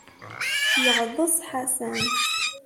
Yeɛḍes Ḥasan.